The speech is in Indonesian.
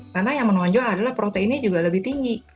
karena yang menonjol adalah proteinnya juga lebih tinggi